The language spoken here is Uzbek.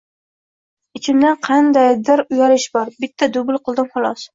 Ichimda qandaydir uyalish bor, bitta dubl qildim xolos.